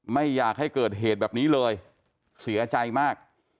ไม่อยากให้เกิดเหตุแบบนี้เลยเสียใจมาก